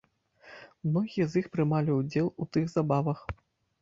Многія з іх прымалі ўдзел у тых забавах.